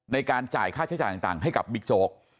ในการจ่ายค่าใช้จ่ายต่างให้กับบิ๊กโจ๊ก